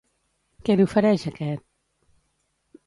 Què li ofereix aquest?